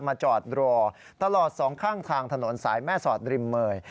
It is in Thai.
จอดรอตลอดสองข้างทางถนนสายแม่สอดริมเมย